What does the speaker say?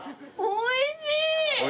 おいしい？